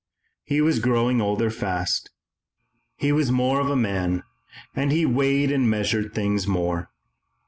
He was growing older fast. He was more of a man, and he weighed and measured things more.